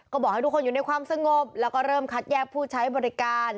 ก็บอกให้ทุกคนอยู่ในความสงบแล้วก็เริ่มคัดแยกผู้ใช้บริการ